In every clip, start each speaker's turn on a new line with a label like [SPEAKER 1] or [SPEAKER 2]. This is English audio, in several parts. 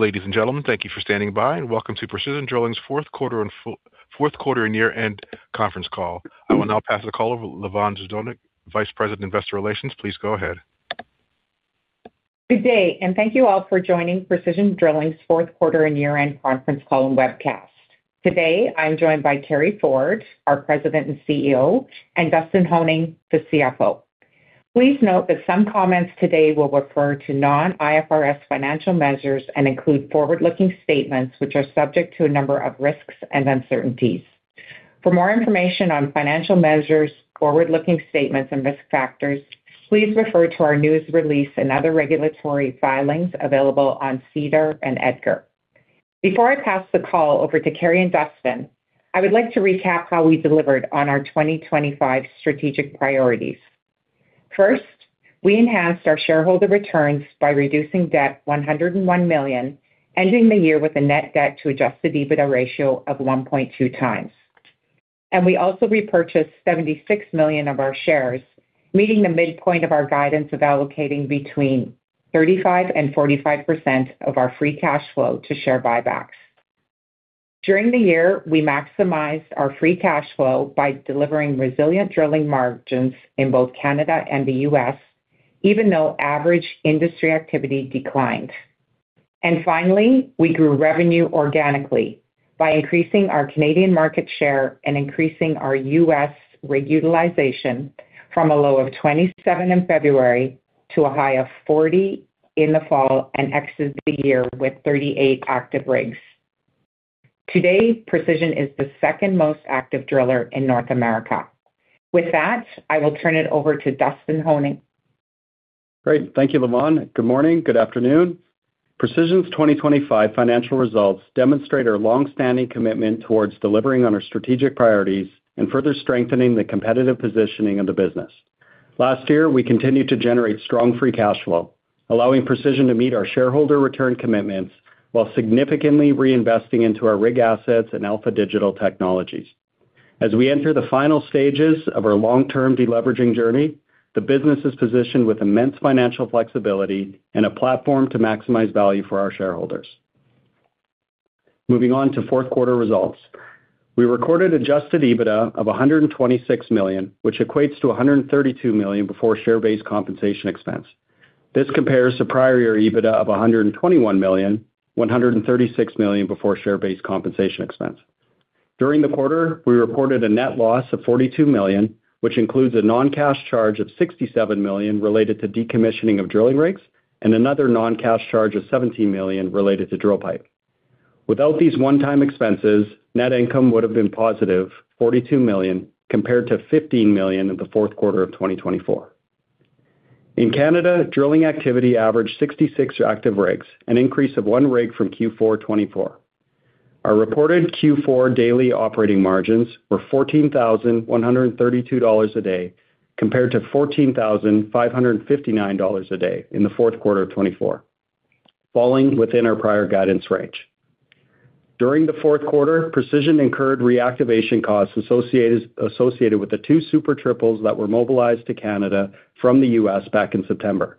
[SPEAKER 1] Ladies and gentlemen, thank you for standing by and welcome to Precision Drilling's fourth quarter and fourth quarter and year-end conference call. I will now pass the call over to Lavonne Zdunich, Vice President, Investor Relations. Please go ahead.
[SPEAKER 2] Good day, and thank you all for joining Precision Drilling's fourth quarter and year-end conference call and webcast. Today, I'm joined by Carey Ford, our President and CEO, and Dustin Honing, the CFO. Please note that some comments today will refer to non-IFRS financial measures and include forward-looking statements, which are subject to a number of risks and uncertainties. For more information on financial measures, forward-looking statements and risk factors, please refer to our news release and other regulatory filings available on SEDAR and EDGAR. Before I pass the call over to Carey and Dustin, I would like to recap how we delivered on our 2025 strategic priorities. First, we enhanced our shareholder returns by reducing debt 101 million, ending the year with a Net Debt to Adjusted EBITDA ratio of 1.2x. We also repurchased 76 million of our shares, meeting the midpoint of our guidance of allocating between 35% and 45% of our free cash flow to share buybacks. During the year, we maximized our free cash flow by delivering resilient drilling margins in both Canada and the U.S., even though average industry activity declined. Finally, we grew revenue organically by increasing our Canadian market share and increasing our U.S. rig utilization from a low of 27 in February to a high of 40 in the fall and exited the year with 38 active rigs. Today, Precision is the second most active driller in North America. With that, I will turn it over to Dustin Honing.
[SPEAKER 3] Great. Thank you, Lavonne. Good morning. Good afternoon. Precision's 2025 financial results demonstrate our long-standing commitment towards delivering on our strategic priorities and further strengthening the competitive positioning of the business. Last year, we continued to generate strong free cash flow, allowing Precision to meet our shareholder return commitments while significantly reinvesting into our rig assets and Alpha Digital technologies. As we enter the final stages of our long-term deleveraging journey, the business is positioned with immense financial flexibility and a platform to maximize value for our shareholders. Moving on to fourth quarter results. We recorded adjusted EBITDA of $126 million, which equates to $132 million before share-based compensation expense. This compares to prior year EBITDA of $121 million, $136 million before share-based compensation expense. During the quarter, we reported a net loss of $42 million, which includes a non-cash charge of $67 million related to decommissioning of drilling rigs and another non-cash charge of $17 million related to drill pipe. Without these one-time expenses, net income would have been positive $42 million, compared to $15 million in the fourth quarter of 2024. In Canada, drilling activity averaged 66 active rigs, an increase of one rig from Q4 2024. Our reported Q4 daily operating margins were $14,132 a day, compared to $14,559 a day in the fourth quarter of 2024, falling within our prior guidance range. During the fourth quarter, Precision incurred reactivation costs associated with the two Super Triples that were mobilized to Canada from the U.S. back in September.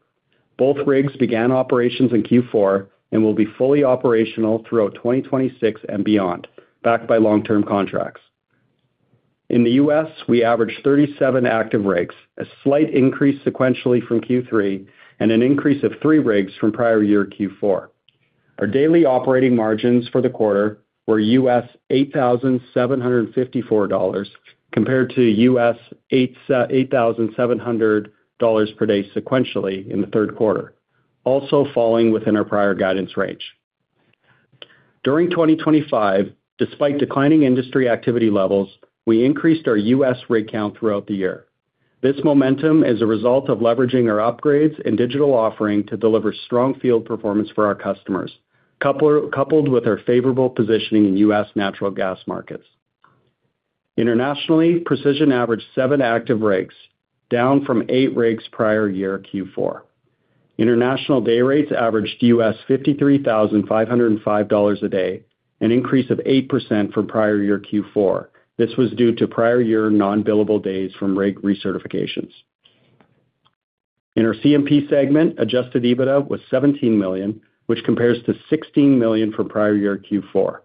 [SPEAKER 3] Both rigs began operations in Q4 and will be fully operational throughout 2026 and beyond, backed by long-term contracts. In the U.S., we averaged 37 active rigs, a slight increase sequentially from Q3, and an increase of three rigs from prior year Q4. Our daily operating margins for the quarter were $8,754, compared to $8,700 per day sequentially in the third quarter, also falling within our prior guidance range. During 2025, despite declining industry activity levels, we increased our U.S. rig count throughout the year. This momentum is a result of leveraging our upgrades and digital offering to deliver strong field performance for our customers, coupled with our favorable positioning in U.S. natural gas markets. Internationally, Precision averaged seven active rigs, down from eight rigs prior year Q4. International day rates averaged $53,505 a day, an increase of 8% from prior year Q4. This was due to prior year non-billable days from rig recertifications. In our C&P segment, adjusted EBITDA was 17 million, which compares to 16 million from prior year Q4.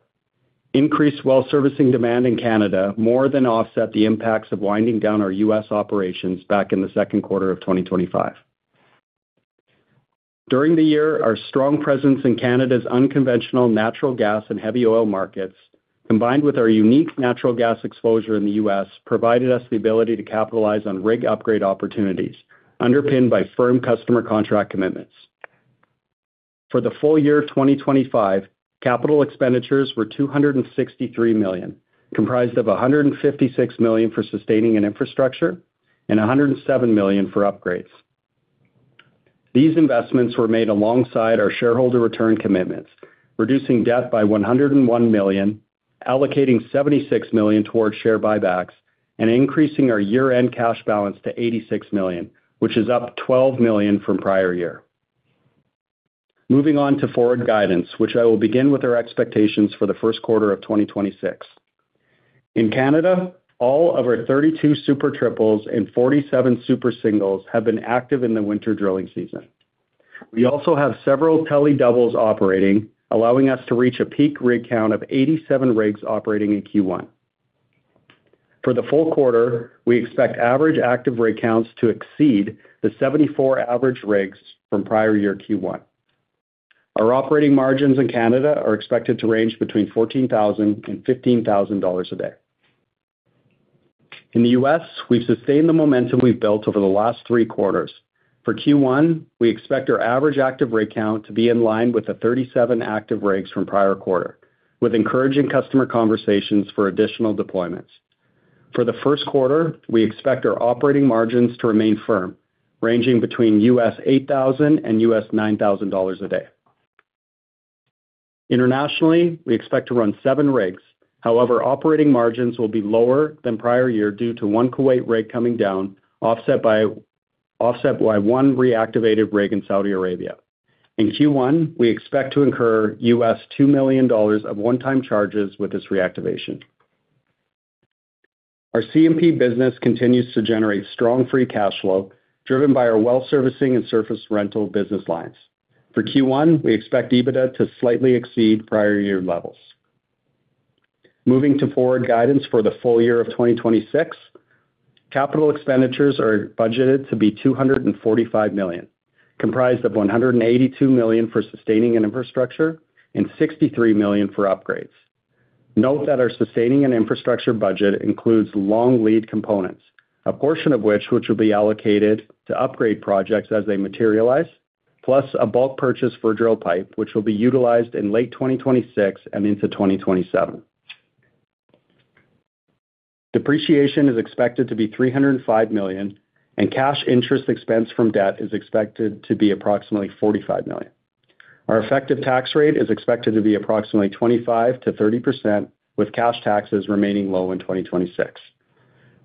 [SPEAKER 3] Increased well servicing demand in Canada more than offset the impacts of winding down our U.S. operations back in the second quarter of 2025. During the year, our strong presence in Canada's unconventional natural gas and heavy oil markets, combined with our unique natural gas exposure in the U.S., provided us the ability to capitalize on rig upgrade opportunities underpinned by firm customer contract commitments. For the full year of 2025, capital expenditures were 263 million, comprised of 156 million for sustaining and infrastructure and 107 million for upgrades. These investments were made alongside our shareholder return commitments, reducing debt by 101 million, allocating 76 million towards share buybacks, and increasing our year-end cash balance to 86 million, which is up 12 million from prior year. Moving on to forward guidance, which I will begin with our expectations for the first quarter of 2026.... In Canada, all of our 32 Super Triples and 47 Super Singles have been active in the winter drilling season. We also have several Tele-Doubles operating, allowing us to reach a peak rig count of 87 rigs operating in Q1. For the full quarter, we expect average active rig counts to exceed the 74 average rigs from prior year Q1. Our operating margins in Canada are expected to range between 14,000 and 15,000 dollars a day. In the US, we've sustained the momentum we've built over the last three quarters. For Q1, we expect our average active rig count to be in line with the 37 active rigs from prior quarter, with encouraging customer conversations for additional deployments. For the first quarter, we expect our operating margins to remain firm, ranging between $8,000 and $9,000 a day. Internationally, we expect to run seven rigs. However, operating margins will be lower than prior year due to one Kuwait rig coming down, offset by one reactivated rig in Saudi Arabia. In Q1, we expect to incur $2 million of one-time charges with this reactivation. Our CMP business continues to generate strong free cash flow, driven by our well servicing and surface rental business lines. For Q1, we expect EBITDA to slightly exceed prior year levels. Moving to forward guidance for the full year of 2026, capital expenditures are budgeted to be 245 million, comprised of 182 million for sustaining and infrastructure and 63 million for upgrades. Note that our sustaining and infrastructure budget includes long lead components, a portion of which will be allocated to upgrade projects as they materialize, plus a bulk purchase for drill pipe, which will be utilized in late 2026 and into 2027. Depreciation is expected to be 305 million, and cash interest expense from debt is expected to be approximately 45 million. Our effective tax rate is expected to be approximately 25%-30%, with cash taxes remaining low in 2026.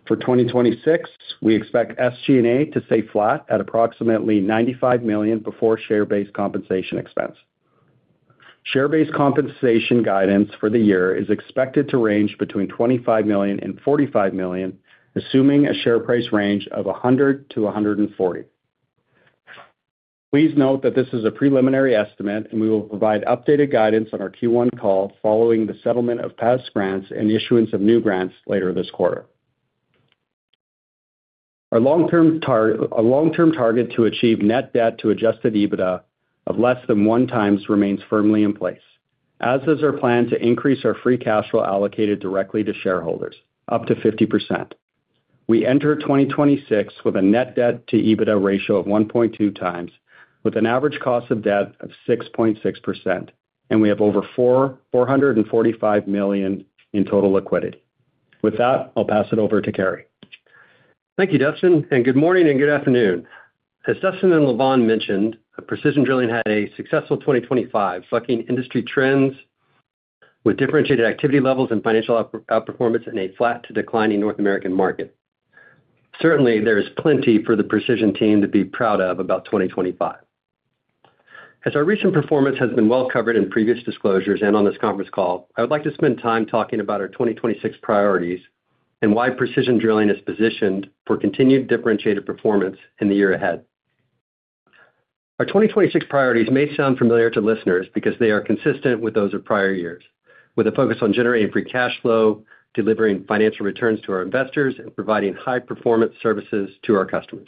[SPEAKER 3] For 2026, we expect SG&A to stay flat at approximately $95 million before share-based compensation expense. Share-based compensation guidance for the year is expected to range between $25 million and $45 million, assuming a share price range of $100-$140. Please note that this is a preliminary estimate, and we will provide updated guidance on our Q1 call following the settlement of past grants and the issuance of new grants later this quarter. Our long-term target to achieve net debt to adjusted EBITDA of less than 1x remains firmly in place, as is our plan to increase our free cash flow allocated directly to shareholders, up to 50%. We enter 2026 with a net debt to EBITDA ratio of 1.2x, with an average cost of debt of 6.6%, and we have over $445 million in total liquidity. With that, I'll pass it over to Carey.
[SPEAKER 4] Thank you, Dustin, and good morning and good afternoon. As Dustin and Lavonne mentioned, Precision Drilling had a successful 2025, fucking industry trends with differentiated activity levels and financial outperformance in a flat to declining North American market. Certainly, there is plenty for the Precision team to be proud of about 2025. As our recent performance has been well covered in previous disclosures and on this conference call, I would like to spend time talking about our 2026 priorities and why Precision Drilling is positioned for continued differentiated performance in the year ahead. Our 2026 priorities may sound familiar to listeners because they are consistent with those of prior years, with a focus on generating free cash flow, delivering financial returns to our investors, and providing high-performance services to our customers.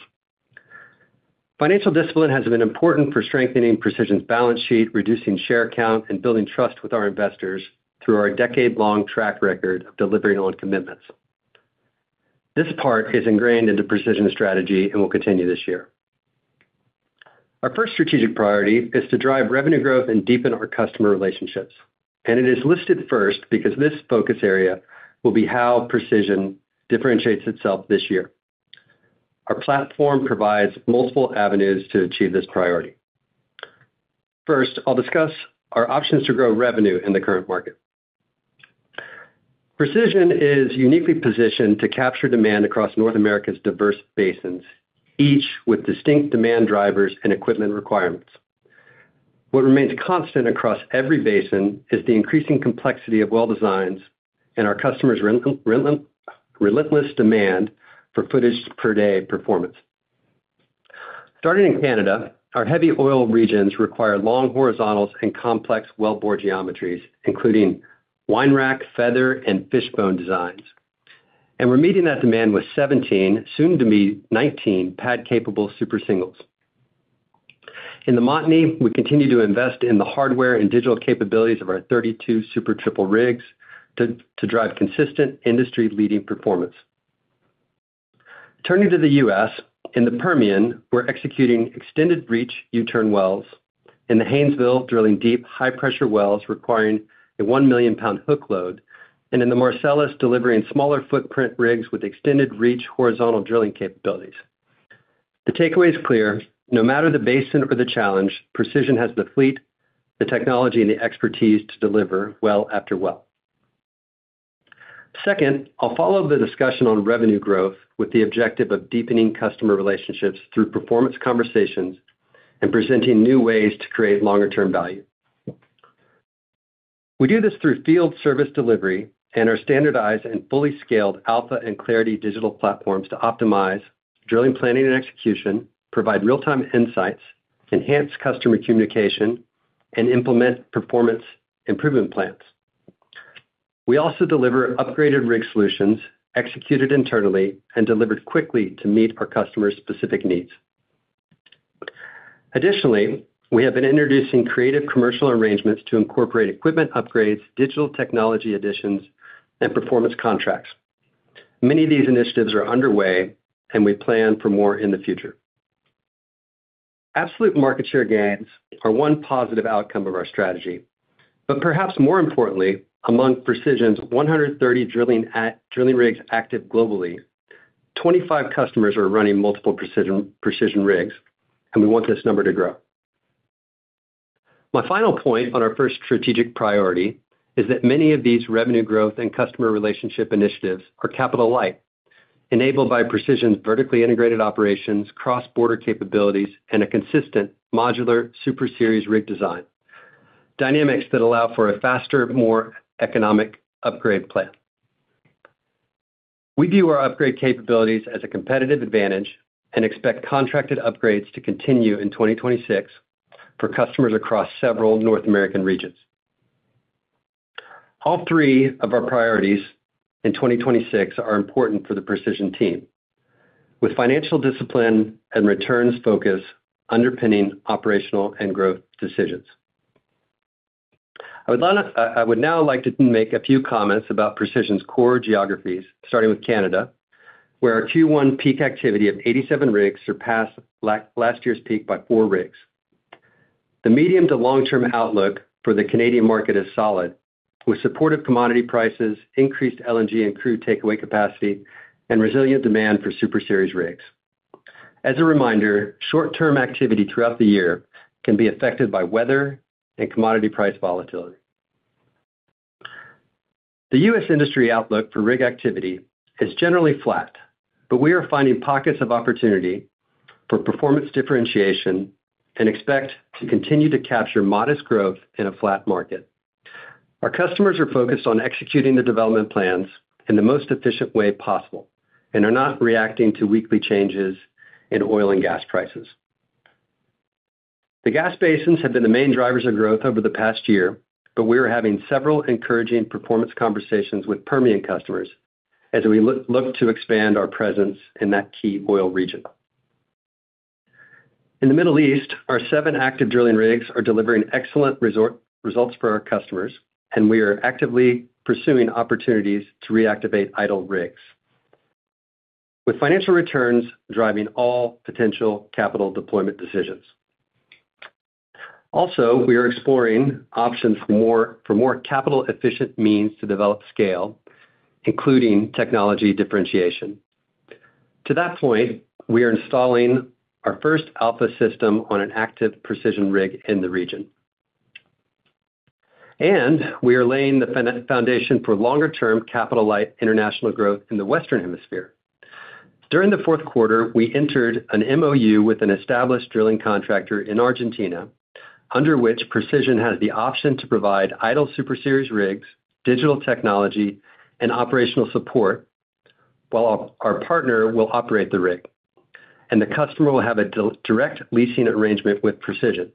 [SPEAKER 4] Financial discipline has been important for strengthening Precision's balance sheet, reducing share count, and building trust with our investors through our decade-long track record of delivering on commitments. This part is ingrained into Precision's strategy and will continue this year. Our first strategic priority is to drive revenue growth and deepen our customer relationships, and it is listed first because this focus area will be how Precision differentiates itself this year. Our platform provides multiple avenues to achieve this priority. First, I'll discuss our options to grow revenue in the current market. Precision is uniquely positioned to capture demand across North America's diverse basins, each with distinct demand drivers and equipment requirements. What remains constant across every basin is the increasing complexity of well designs and our customers' relentless demand for footage per day performance. Starting in Canada, our heavy oil regions require long horizontals and complex wellbore geometries, including wine rack, feather, and fishbone designs. We're meeting that demand with 17, soon to be 19, pad-capable Super Singles. In the Montney, we continue to invest in the hardware and digital capabilities of our 32 Super Triple rigs to drive consistent, industry-leading performance. Turning to the U.S, in the Permian, we're executing extended reach U-turn wells, in the Haynesville, drilling deep, high-pressure wells requiring a 1 million lb hook load, and in the Marcellus, delivering smaller footprint rigs with extended reach horizontal drilling capabilities. The takeaway is clear: no matter the basin or the challenge, Precision has the fleet, the technology, and the expertise to deliver well after well. Second, I'll follow the discussion on revenue growth with the objective of deepening customer relationships through performance conversations. presenting new ways to create longer-term value. We do this through field service delivery and our standardized and fully scaled Alpha and Clarity digital platforms to optimize drilling, planning, and execution, provide real-time insights, enhance customer communication, and implement performance improvement plans. We also deliver upgraded rig solutions, executed internally and delivered quickly to meet our customers' specific needs. Additionally, we have been introducing creative commercial arrangements to incorporate equipment upgrades, digital technology additions, and performance contracts. Many of these initiatives are underway, and we plan for more in the future. Absolute market share gains are one positive outcome of our strategy, but perhaps more importantly, among Precision's 130 drilling rigs active globally, 25 customers are running multiple Precision, Precision rigs, and we want this number to grow. My final point on our first strategic priority is that many of these revenue growth and customer relationship initiatives are capital light, enabled by Precision's vertically integrated operations, cross-border capabilities, and a consistent modular Super Series rig design, dynamics that allow for a faster, more economic upgrade plan. We view our upgrade capabilities as a competitive advantage and expect contracted upgrades to continue in 2026 for customers across several North American regions. All three of our priorities in 2026 are important for the Precision team, with financial discipline and returns focus underpinning operational and growth decisions. I would now like to make a few comments about Precision's core geographies, starting with Canada, where our Q1 peak activity of 87 rigs surpassed last year's peak by four rigs. The medium to long-term outlook for the Canadian market is solid, with supportive commodity prices, increased LNG and crude takeaway capacity, and resilient demand for Super Series rigs. As a reminder, short-term activity throughout the year can be affected by weather and commodity price volatility. The U.S. industry outlook for rig activity is generally flat, but we are finding pockets of opportunity for performance differentiation and expect to continue to capture modest growth in a flat market. Our customers are focused on executing the development plans in the most efficient way possible and are not reacting to weekly changes in oil and gas prices. The gas basins have been the main drivers of growth over the past year, but we are having several encouraging performance conversations with Permian customers as we look to expand our presence in that key oil region. In the Middle East, our seven active drilling rigs are delivering excellent results for our customers, and we are actively pursuing opportunities to reactivate idle rigs, with financial returns driving all potential capital deployment decisions. Also, we are exploring options for more capital-efficient means to develop scale, including technology differentiation. To that point, we are installing our first Alpha system on an active Precision rig in the region. And we are laying the foundation for longer-term, capital-light international growth in the Western Hemisphere. During the fourth quarter, we entered an MOU with an established drilling contractor in Argentina, under which Precision has the option to provide idle Super Series rigs, digital technology, and operational support, while our partner will operate the rig, and the customer will have a direct leasing arrangement with Precision.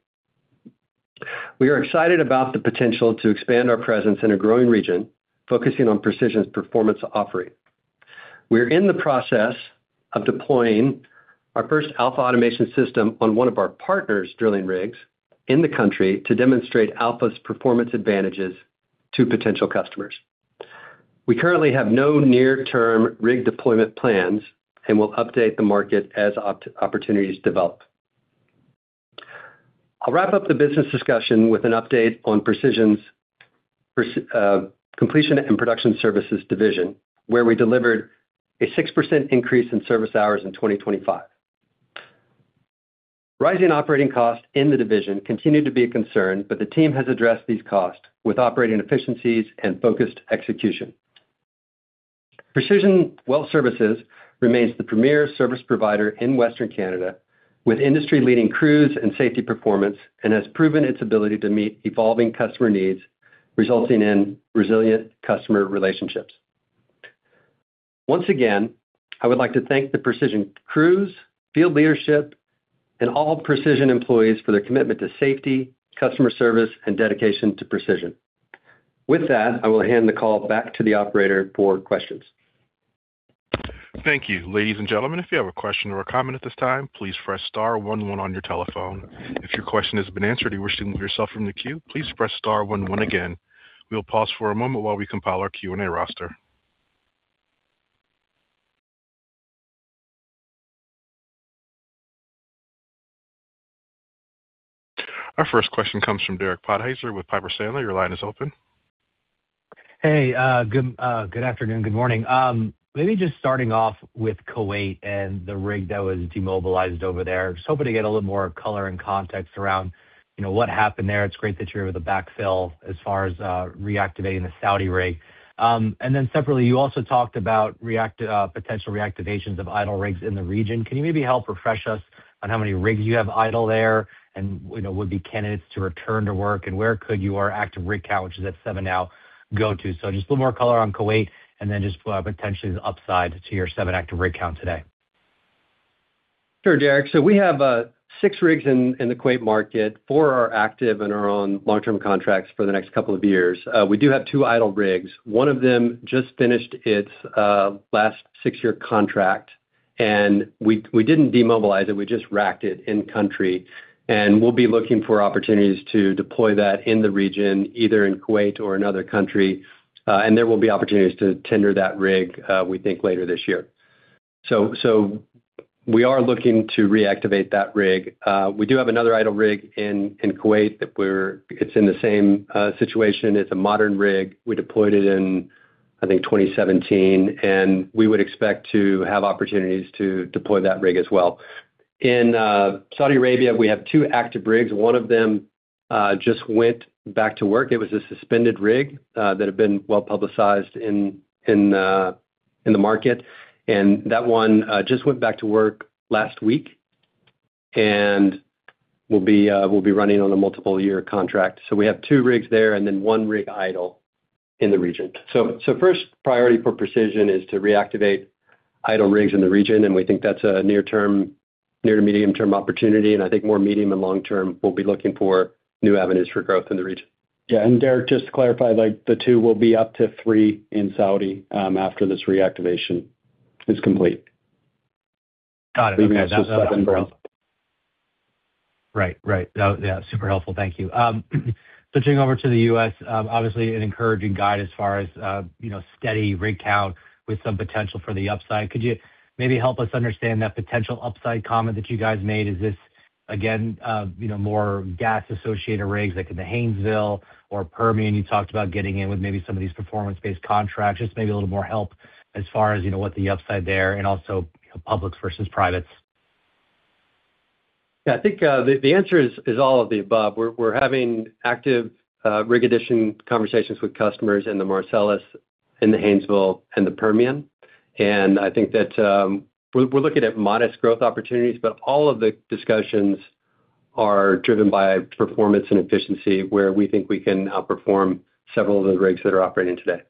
[SPEAKER 4] We are excited about the potential to expand our presence in a growing region, focusing on Precision's performance offering. We are in the process of deploying our first Alpha automation system on one of our partners' drilling rigs in the country to demonstrate Alpha's performance advantages to potential customers. We currently have no near-term rig deployment plans and will update the market as opportunities develop. I'll wrap up the business discussion with an update on Precision's Completion and Production Services division, where we delivered a 6% increase in service hours in 2025. Rising operating costs in the division continue to be a concern, but the team has addressed these costs with operating efficiencies and focused execution. Precision Well Services remains the premier service provider in Western Canada, with industry-leading crews and safety performance, and has proven its ability to meet evolving customer needs, resulting in resilient customer relationships. Once again, I would like to thank the Precision crews, field leadership, and all Precision employees for their commitment to safety, customer service, and dedication to Precision. With that, I will hand the call back to the operator for questions.
[SPEAKER 1] Thank you. Ladies and gentlemen, if you have a question or a comment at this time, please press star one one on your telephone. If your question has been answered and you wish to remove yourself from the queue, please press star one one again. We'll pause for a moment while we compile our Q&A roster. Our first question comes from Derek Podhaizer with Piper Sandler. Your line is open....
[SPEAKER 5] Hey, good afternoon, good morning. Maybe just starting off with Kuwait and the rig that was demobilized over there. Just hoping to get a little more color and context around, you know, what happened there. It's great that you're with the backfill as far as reactivating the Saudi rig. And then separately, you also talked about potential reactivations of idle rigs in the region. Can you maybe help refresh us on how many rigs you have idle there, and, you know, would be candidates to return to work? And where could your active rig count, which is at seven now, go to? So just a little more color on Kuwait, and then just potentially the upside to your seven active rig count today.
[SPEAKER 4] Sure, Derek. So we have six rigs in the Kuwait market. Four are active and are on long-term contracts for the next couple of years. We do have two idle rigs. One of them just finished its last 6-year contract, and we didn't demobilize it, we just racked it in country, and we'll be looking for opportunities to deploy that in the region, either in Kuwait or another country, and there will be opportunities to tender that rig, we think, later this year. So we are looking to reactivate that rig. We do have another idle rig in Kuwait that we're—it's in the same situation. It's a modern rig. We deployed it in, I think, 2017, and we would expect to have opportunities to deploy that rig as well. In Saudi Arabia, we have two active rigs. One of them just went back to work. It was a suspended rig that had been well publicized in the market, and that one just went back to work last week and will be running on a multiple year contract. So we have two rigs there and then one rig idle in the region. So first priority for Precision is to reactivate idle rigs in the region, and we think that's a near term, near to medium-term opportunity, and I think more medium and long term, we'll be looking for new avenues for growth in the region.
[SPEAKER 3] Yeah, and Derek, just to clarify, like, the two will be up to three in Saudi after this reactivation is complete.
[SPEAKER 5] Got it.
[SPEAKER 3] Leaving us with seven rigs.
[SPEAKER 5] Right. Right. Oh, yeah, super helpful. Thank you. Switching over to the U.S, obviously an encouraging guide as far as, you know, steady rig count with some potential for the upside. Could you maybe help us understand that potential upside comment that you guys made? Is this again, you know, more gas-associated rigs, like in the Haynesville or Permian, you talked about getting in with maybe some of these performance-based contracts? Just maybe a little more help as far as, you know, what the upside there and also, you know, public versus privates.
[SPEAKER 4] Yeah, I think the answer is all of the above. We're having active rig addition conversations with customers in the Marcellus, in the Haynesville, and the Permian. And I think that we're looking at modest growth opportunities, but all of the discussions are driven by performance and efficiency, where we think we can outperform several of the rigs that are operating today.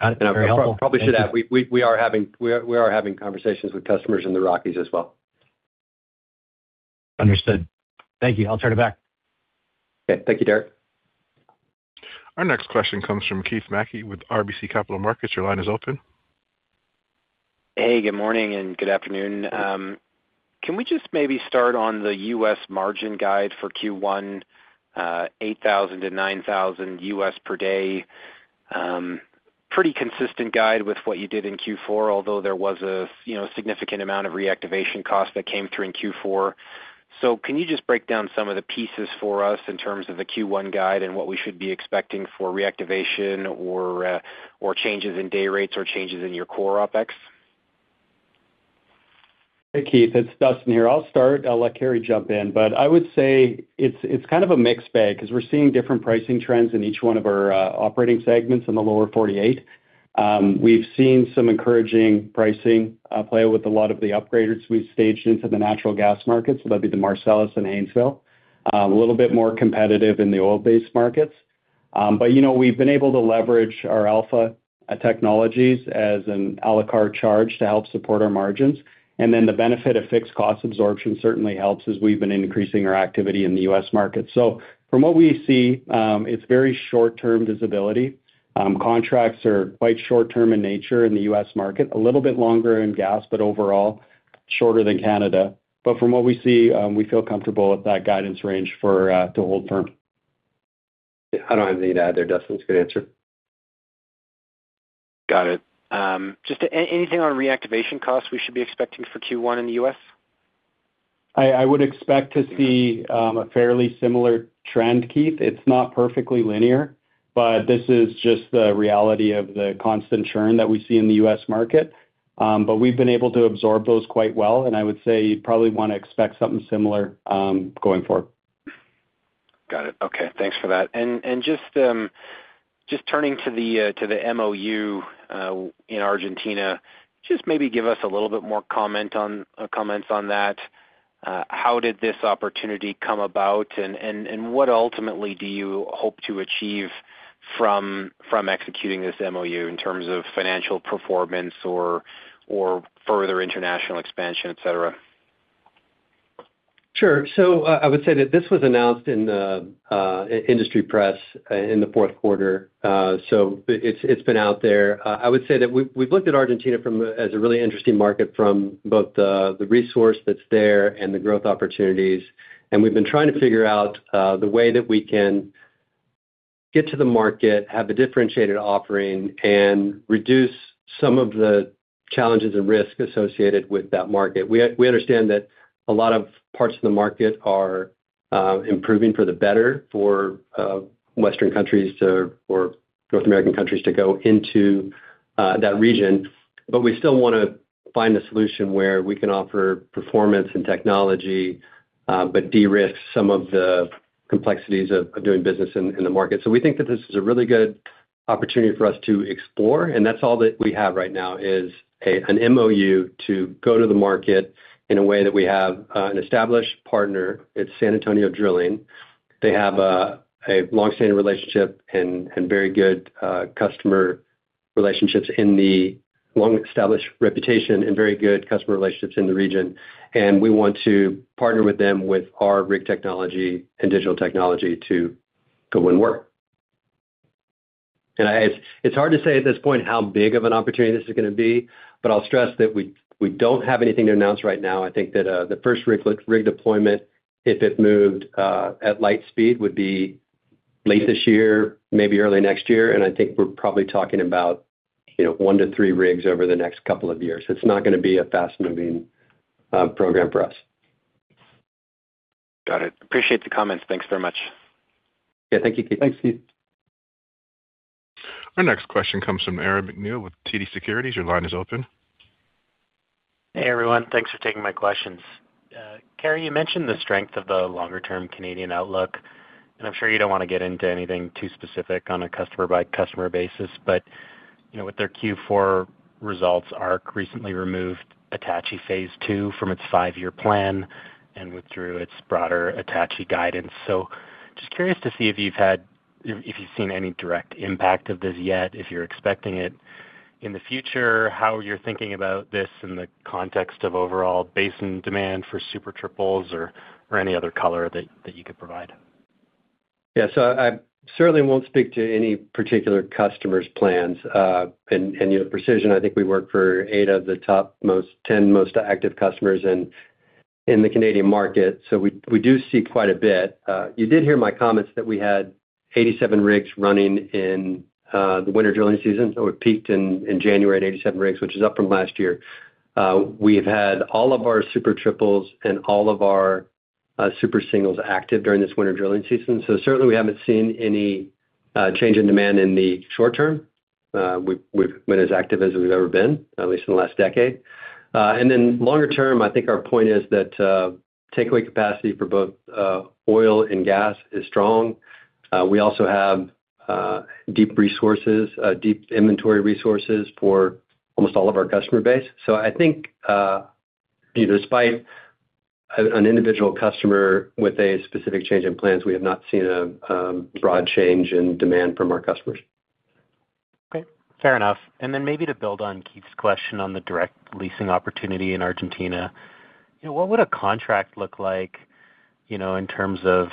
[SPEAKER 5] Got it. Very helpful.
[SPEAKER 4] And I probably should add, we are having conversations with customers in the Rockies as well.
[SPEAKER 5] Understood. Thank you. I'll turn it back.
[SPEAKER 4] Okay. Thank you, Derek.
[SPEAKER 1] Our next question comes from Keith Mackey with RBC Capital Markets. Your line is open.
[SPEAKER 6] Hey, good morning and good afternoon. Can we just maybe start on the U.S. margin guide for Q1, $8,000-$9,000 per day? Pretty consistent guide with what you did in Q4, although there was a, you know, significant amount of reactivation costs that came through in Q4. So can you just break down some of the pieces for us in terms of the Q1 guide and what we should be expecting for reactivation or, or changes in day rates or changes in your core OpEx?
[SPEAKER 3] Hey, Keith, it's Dustin here. I'll start. I'll let Carey jump in, but I would say it's kind of a mixed bag because we're seeing different pricing trends in each one of our operating segments in the lower 48. We've seen some encouraging pricing play with a lot of the upgraders we've staged into the natural gas markets. So that'd be the Marcellus and Haynesville. A little bit more competitive in the oil-based markets. But, you know, we've been able to leverage our Alpha technologies as an a la carte charge to help support our margins. And then the benefit of fixed cost absorption certainly helps as we've been increasing our activity in the US market. So from what we see, it's very short-term visibility. Contracts are quite short term in nature in the U.S. market, a little bit longer in gas, but overall, shorter than Canada. But from what we see, we feel comfortable with that guidance range for the whole term.
[SPEAKER 4] I don't have anything to add there, Dustin. It's a good answer.
[SPEAKER 6] Got it. Just anything on reactivation costs we should be expecting for Q1 in the U.S.?
[SPEAKER 3] I would expect to see a fairly similar trend, Keith. It's not perfectly linear, but this is just the reality of the constant churn that we see in the U.S. market. But we've been able to absorb those quite well, and I would say you'd probably wanna expect something similar, going forward.
[SPEAKER 6] Got it. Okay, thanks for that. And just turning to the MOU in Argentina, just maybe give us a little bit more comments on that. How did this opportunity come about, and what ultimately do you hope to achieve from executing this MOU in terms of financial performance or further international expansion, et cetera?
[SPEAKER 3] Sure. So, I would say that this was announced in the industry press in the fourth quarter. So it's been out there. I would say that we've looked at Argentina as a really interesting market from both the resource that's there and the growth opportunities. And we've been trying to figure out the way that we can get to the market, have a differentiated offering, and reduce some of the challenges and risk associated with that market. We understand that a lot of parts of the market are improving for the better for Western countries or North American countries to go into that region. But we still wanna find a solution where we can offer performance and technology, but de-risk some of the complexities of doing business in the market. So we think that this is a really good opportunity for us to explore, and that's all that we have right now, is an MOU to go to the market in a way that we have an established partner. It's San Antonio International. They have a long-standing relationship and very good customer relationships, a long-established reputation and very good customer relationships in the region. And we want to partner with them with our rig technology and digital technology to go and work. And it's hard to say at this point how big of an opportunity this is gonna be, but I'll stress that we don't have anything to announce right now. I think that, the first rig, rig deployment, if it moved, at light speed, would be late this year, maybe early next year, and I think we're probably talking about, you know, one-three rigs over the next couple of years. It's not gonna be a fast-moving, program for us.
[SPEAKER 6] Got it. Appreciate the comments. Thanks very much.
[SPEAKER 3] Yeah, thank you, Keith.
[SPEAKER 6] Thanks, Keith.
[SPEAKER 1] Our next question comes from Aaron MacNeil with TD Securities. Your line is open.
[SPEAKER 7] Hey, everyone. Thanks for taking my questions. Uh, Carey, you mentioned the strength of the longer term Canadian outlook, and I'm sure you don't want to get into anything too specific on a customer-by-customer basis, but, you know, with their Q4 results, ARC recently removed Attachie Phase II from its five-year plan and withdrew its broader Attachie guidance. So just curious to see if you've had... if you've seen any direct impact of this yet, if you're expecting it in the future, how you're thinking about this in the context of overall basin demand for super triples or, or any other color that, that you could provide?
[SPEAKER 4] Yeah, so I certainly won't speak to any particular customer's plans. And, you know, Precision, I think we work for eight of the top ten most active customers in the Canadian market, so we do see quite a bit. You did hear my comments that we had 87 rigs running in the winter drilling season, so it peaked in January at 87 rigs, which is up from last year. We've had all of our Super Triples and all of our Super Singles active during this winter drilling season. So certainly we haven't seen any change in demand in the short term. We've been as active as we've ever been, at least in the last decade. And then longer term, I think our point is that, takeaway capacity for both, oil and gas is strong. We also have, deep resources, deep inventory resources for almost all of our customer base. So I think, you know, despite an individual customer with a specific change in plans, we have not seen a, broad change in demand from our customers.
[SPEAKER 7] Okay, fair enough. And then maybe to build on Keith's question on the direct leasing opportunity in Argentina, you know, what would a contract look like, you know, in terms of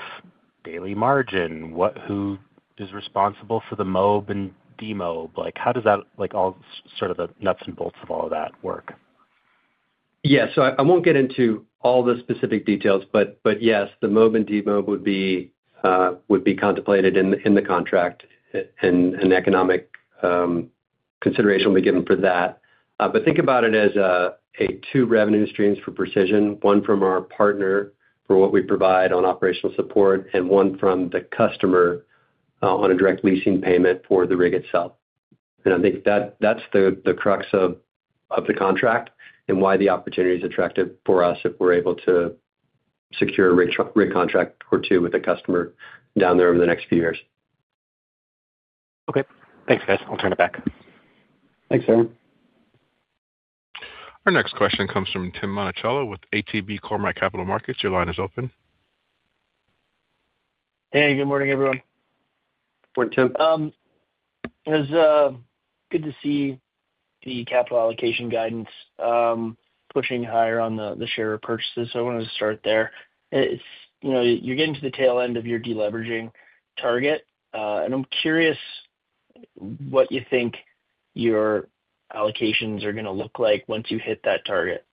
[SPEAKER 7] daily margin? What, who is responsible for the mob and demob? Like, how does that, like, all sort of the nuts and bolts of all of that work?
[SPEAKER 4] Yeah. So I won't get into all the specific details, but yes, the mob and demob would be contemplated in the contract, and economic consideration will be given for that. But think about it as two revenue streams for Precision, one from our partner for what we provide on operational support, and one from the customer on a direct leasing payment for the rig itself. And I think that that's the crux of the contract and why the opportunity is attractive for us if we're able to secure a rig contract or two with a customer down there over the next few years.
[SPEAKER 7] Okay. Thanks, guys. I'll turn it back.
[SPEAKER 4] Thanks, Aaron.
[SPEAKER 1] Our next question comes from Tim Monachello with ATB Capital Markets. Your line is open.
[SPEAKER 8] Hey, good morning, everyone.
[SPEAKER 4] Morning, Tim.
[SPEAKER 8] It was good to see the capital allocation guidance pushing higher on the share repurchases. So I wanted to start there. It's, you know, you're getting to the tail end of your deleveraging target, and I'm curious what you think your allocations are gonna look like once you hit that target.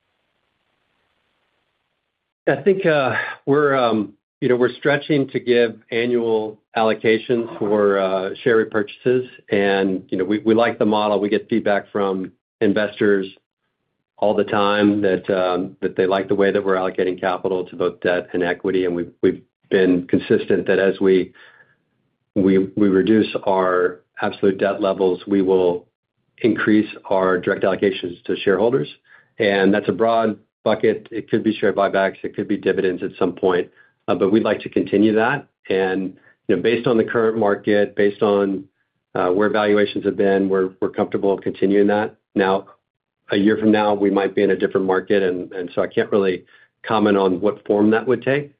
[SPEAKER 4] I think, you know, we're stretching to give annual allocations for share repurchases. And, you know, we like the model. We get feedback from investors all the time that they like the way that we're allocating capital to both debt and equity, and we've been consistent that as we reduce our absolute debt levels, we will increase our direct allocations to shareholders. And that's a broad bucket. It could be share buybacks, it could be dividends at some point, but we'd like to continue that. And, you know, based on the current market, based on where valuations have been, we're comfortable continuing that. Now, a year from now, we might be in a different market, and so I can't really comment on what form that would take.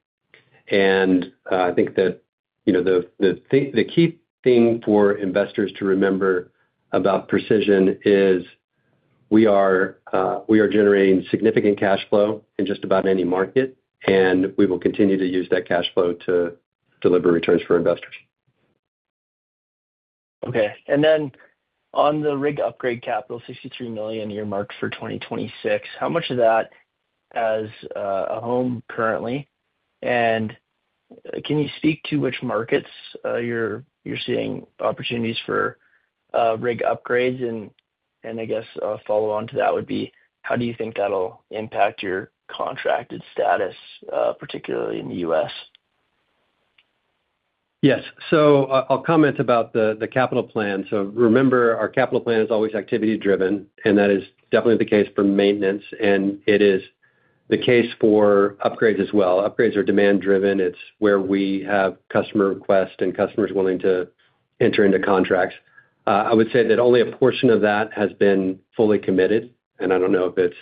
[SPEAKER 4] I think that, you know, the key thing for investors to remember about Precision is we are generating significant cash flow in just about any market, and we will continue to use that cash flow to deliver returns for investors.
[SPEAKER 8] Okay. And then on the rig upgrade capital, $63 million earmarked for 2026, how much of that has a home currently? And can you speak to which markets you're seeing opportunities for rig upgrades? And I guess a follow-on to that would be: How do you think that'll impact your contracted status, particularly in the U.S.?
[SPEAKER 4] Yes. So I'll comment about the capital plan. So remember, our capital plan is always activity-driven, and that is definitely the case for maintenance, and it is the case for upgrades as well. Upgrades are demand-driven. It's where we have customer requests and customers willing to enter into contracts. I would say that only a portion of that has been fully committed, and I don't know if it's,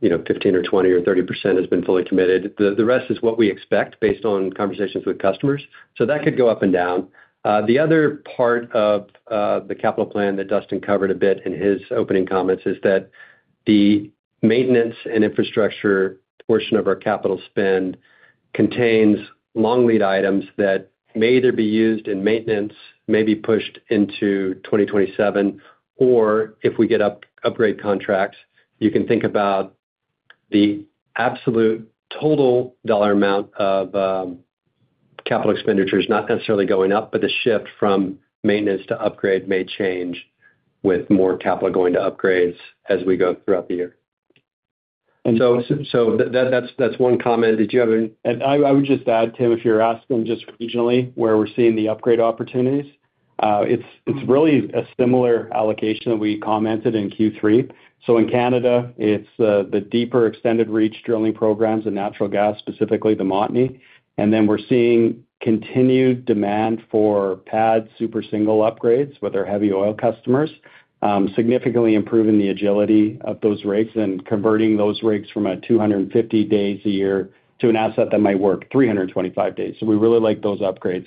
[SPEAKER 4] you know, 15% or 20% or 30% has been fully committed. The rest is what we expect based on conversations with customers, so that could go up and down. The other part of the capital plan that Dustin covered a bit in his opening comments is that the maintenance and infrastructure portion of our capital spend contains long-lead items that may either be used in maintenance, may be pushed into 2027, or if we get upgrade contracts, you can think about the absolute total dollar amount of capital expenditures not necessarily going up, but the shift from maintenance to upgrade may change with more capital going to upgrades as we go throughout the year. And so that's one comment. Did you have any-
[SPEAKER 3] I would just add, Tim, if you're asking just regionally, where we're seeing the upgrade opportunities, it's really a similar allocation that we commented in Q3. So in Canada, it's the deeper extended reach drilling programs in natural gas, specifically the Montney. And then we're seeing continued demand for pad super single upgrades with our heavy oil customers, significantly improving the agility of those rigs and converting those rigs from 250 days a year to an asset that might work 325 days. So we really like those upgrades.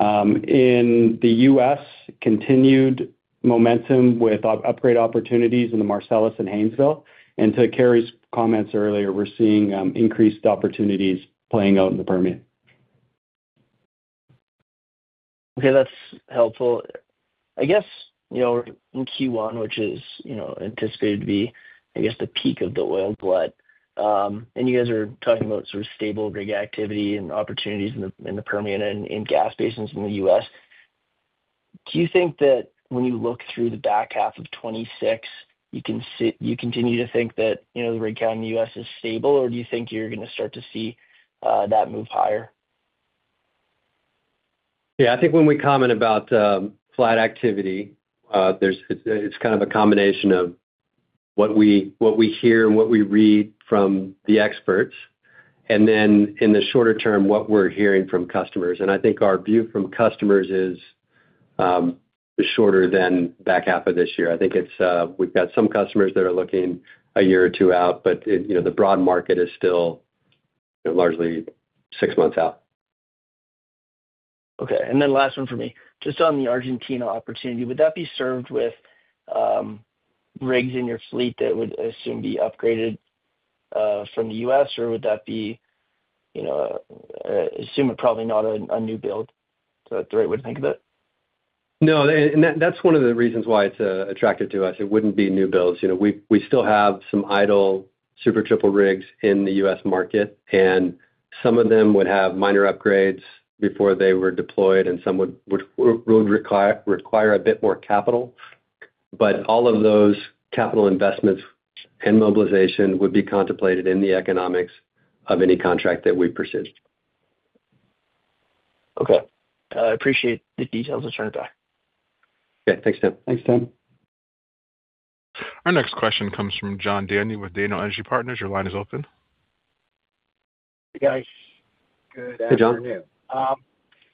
[SPEAKER 3] In the U.S, continued momentum with upgrade opportunities in the Marcellus and Haynesville. And to Carey's comments earlier, we're seeing increased opportunities playing out in the Permian.
[SPEAKER 8] Okay, that's helpful. I guess, you know, in Q1, which is, you know, anticipated to be, I guess, the peak of the oil glut, and you guys are talking about sort of stable rig activity and opportunities in the, in the Permian and in gas basins in the U.S. Do you think that when you look through the back half of 2026, you can see—you continue to think that, you know, the rig count in the U.S. is stable, or do you think you're gonna start to see that move higher?
[SPEAKER 4] Yeah, I think when we comment about flat activity, there's, it's kind of a combination of what we, what we hear and what we read from the experts, and then in the shorter term, what we're hearing from customers. I think our view from customers is shorter than back half of this year. I think it's, we've got some customers that are looking a year or two out, but you know, the broad market is still largely six months out.
[SPEAKER 8] Okay, and then last one for me. Just on the Argentina opportunity, would that be served with rigs in your fleet that would assume be upgraded from the U.S.? Or would that be, you know, assume probably not a new build? Is that the right way to think of it?
[SPEAKER 4] No, and that's one of the reasons why it's attractive to us. It wouldn't be new builds. You know, we still have some idle Super Triple rigs in the U.S. market, and some of them would have minor upgrades before they were deployed, and some would require a bit more capital. But all of those capital investments and mobilization would be contemplated in the economics of any contract that we persist.
[SPEAKER 8] Okay. I appreciate the details. I'll turn it back.
[SPEAKER 4] Okay, thanks, Tim.
[SPEAKER 3] Thanks, Tim.
[SPEAKER 1] Our next question comes from John Daniel with Daniel Energy Partners. Your line is open.
[SPEAKER 9] Hey, guys.
[SPEAKER 4] Good afternoon.
[SPEAKER 3] Hey, John.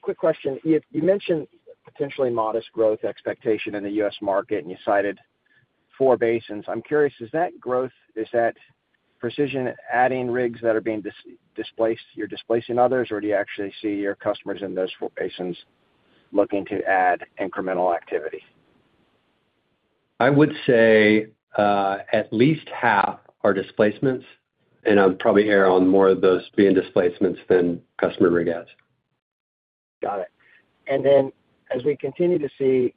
[SPEAKER 9] Quick question. You mentioned potentially modest growth expectation in the U.S. market, and you cited four basins. I'm curious, is that growth, is that Precision adding rigs that are being displaced, you're displacing others, or do you actually see your customers in those four basins looking to add incremental activity?
[SPEAKER 4] I would say, at least half are displacements, and I'd probably err on more of those being displacements than customer rig adds.
[SPEAKER 9] Got it. Then, as we continue to see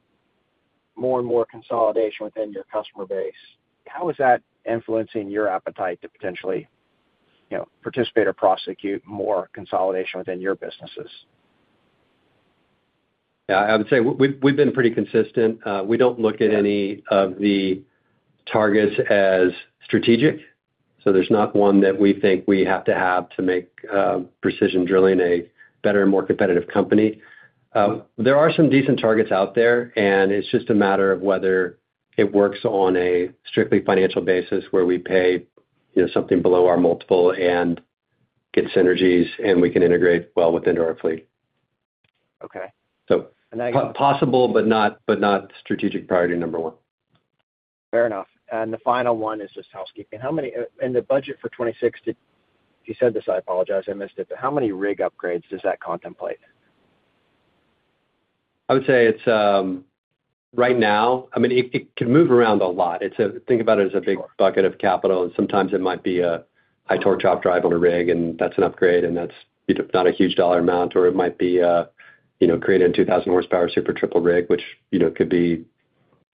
[SPEAKER 9] more and more consolidation within your customer base, how is that influencing your appetite to potentially, you know, participate or prosecute more consolidation within your businesses?
[SPEAKER 4] Yeah, I would say we've been pretty consistent. We don't look at any of the targets as strategic, so there's not one that we think we have to have to make Precision Drilling a better and more competitive company. There are some decent targets out there, and it's just a matter of whether it works on a strictly financial basis, where we pay, you know, something below our multiple and get synergies, and we can integrate well within directly.
[SPEAKER 9] Okay.
[SPEAKER 4] So possible, but not strategic priority number one.
[SPEAKER 9] Fair enough. And the final one is just housekeeping. How many... in the budget for 2026, you said this, I apologize, I missed it, but how many rig upgrades does that contemplate?
[SPEAKER 4] I would say it's right now, I mean, it can move around a lot. It's a big bucket of capital, and sometimes it might be a high torque top drive on a rig, and that's an upgrade, and that's, you know, not a huge dollar amount, or it might be, you know, creating a 2,000 horsepower Super Triple rig, which, you know, could be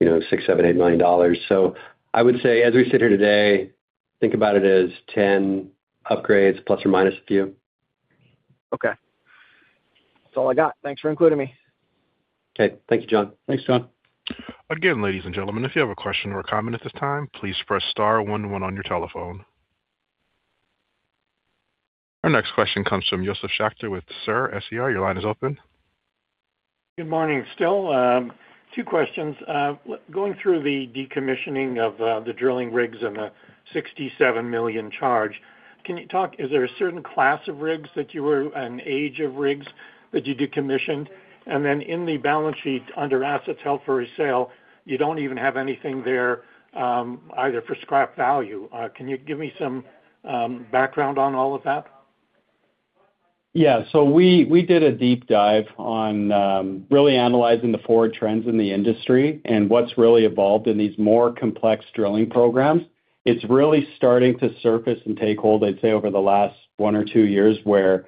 [SPEAKER 4] $6-$8 million. So I would say, as we sit here today, think about it as 10 upgrades ± a few.
[SPEAKER 9] Okay. That's all I got. Thanks for including me.
[SPEAKER 4] Okay. Thank you, John. Thanks, John.
[SPEAKER 1] Again, ladies and gentlemen, if you have a question or a comment at this time, please press star one, one on your telephone. Our next question comes from Joseph Schachter with SER, S-E-R. Your line is open.
[SPEAKER 10] Good morning, still. Two questions. Going through the decommissioning of the drilling rigs and the $67 million charge, can you talk... Is there a certain class of rigs that you were, and age of rigs that you decommissioned? And then in the balance sheet, under assets held for resale, you don't even have anything there, either for scrap value. Can you give me some background on all of that?
[SPEAKER 4] Yeah. So we did a deep dive on really analyzing the forward trends in the industry and what's really evolved in these more complex drilling programs. It's really starting to surface and take hold, I'd say, over the last one or two years, where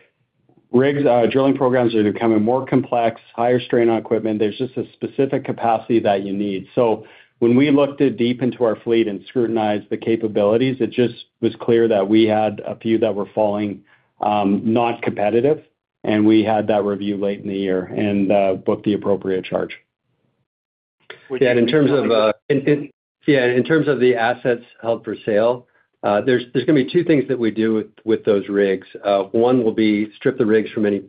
[SPEAKER 4] rigs drilling programs are becoming more complex, higher strain on equipment. There's just a specific capacity that you need. So when we looked deep into our fleet and scrutinized the capabilities, it just was clear that we had a few that were falling not competitive, and we had that review late in the year and booked the appropriate charge. Yeah, and in terms of the assets held for sale, there's gonna be two things that we do with those rigs. One will be strip the rigs from any,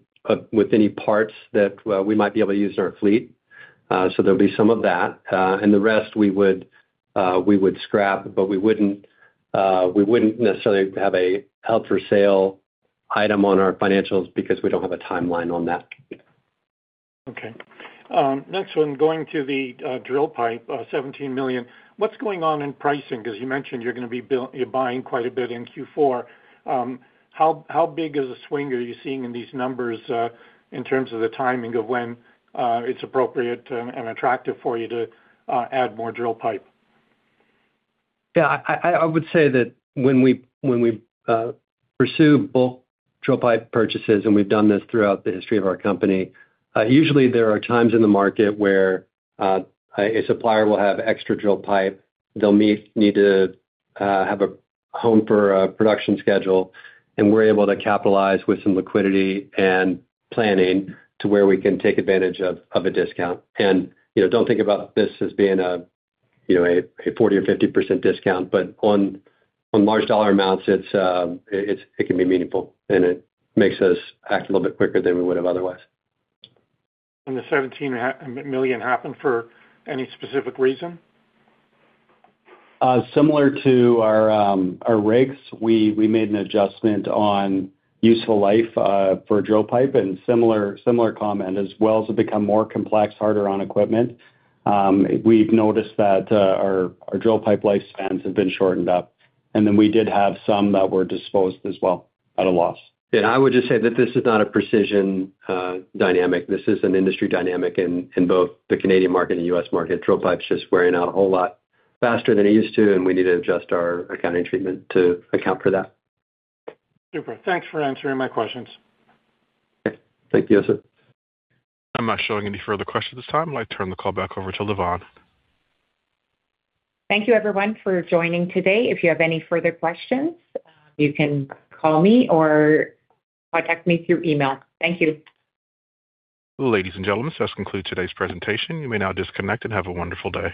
[SPEAKER 4] with any parts that we might be able to use in our fleet. There'll be some of that. The rest we would, we would scrap, but we wouldn't, we wouldn't necessarily have a held for sale item on our financials because we don't have a timeline on that.
[SPEAKER 10] Okay. Next one, going to the drill pipe, 17 million. What's going on in pricing? Because you mentioned you're gonna be—you're buying quite a bit in Q4. How big of a swing are you seeing in these numbers, in terms of the timing of when it's appropriate and attractive for you to add more drill pipe?
[SPEAKER 4] Yeah, I would say that when we pursue bulk drill pipe purchases, and we've done this throughout the history of our company, usually there are times in the market where a supplier will have extra drill pipe. They'll need to have a home for a production schedule, and we're able to capitalize with some liquidity and planning to where we can take advantage of a discount. And, you know, don't think about this as being a, you know, a 40% or 50% discount, but on large dollar amounts, it's, it can be meaningful, and it makes us act a little bit quicker than we would have otherwise.
[SPEAKER 10] The $17 million happen for any specific reason?
[SPEAKER 4] Similar to our, our rigs, we made an adjustment on useful life for drill pipe and similar comment as wells have become more complex, harder on equipment. We've noticed that our drill pipe lifespans have been shortened up, and then we did have some that were disposed as well, at a loss. Yeah, I would just say that this is not a Precision dynamic. This is an industry dynamic in both the Canadian market and the U.S. market. Drill pipe's just wearing out a whole lot faster than it used to, and we need to adjust our accounting treatment to account for that.
[SPEAKER 10] Super. Thanks for answering my questions.
[SPEAKER 4] Okay. Thank you, sir.
[SPEAKER 1] I'm not showing any further questions at this time. I'd like to turn the call back over to Lavonne.
[SPEAKER 2] Thank you, everyone, for joining today. If you have any further questions, you can call me or contact me through email. Thank you.
[SPEAKER 1] Ladies and gentlemen, this concludes today's presentation. You may now disconnect and have a wonderful day.